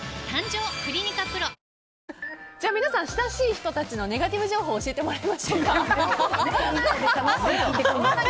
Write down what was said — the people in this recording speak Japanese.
皆さん親しい人たちのネガティブ情報教えてもらいましょうか。